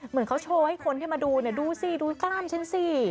เหมือนเขาโชว์ให้คนที่มาดูเนี่ยดูสิดูกล้ามฉันสิ